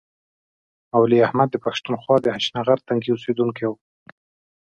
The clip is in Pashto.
مولوي احمد د پښتونخوا د هشتنغر تنګي اوسیدونکی و.